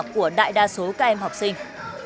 của đại đa số các em học sinh